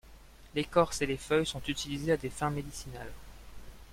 L'écorce et les feuilles sont utilisés à des fins médicinales.